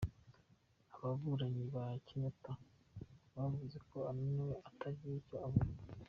Ababuranyi ba Kenyatta bavuze ko ananiwe atagira icyo avuga.